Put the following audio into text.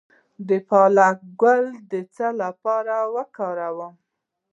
د پالک ګل د څه لپاره وکاروم؟